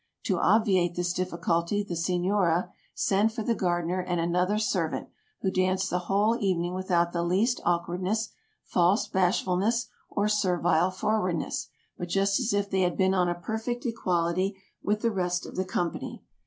To obviate this difficulty, the Senora sent for the gardener and another servant, who danced the whole even ing without the least awkwardness, false bashfulness, or servile forwardness, but just as if they had been on a perfect equality with the rest of the company.